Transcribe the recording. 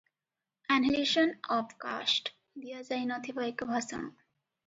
Annihilation of caste ଦିଆଯାଇନଥିବା ଏକ ଭାଷଣ ।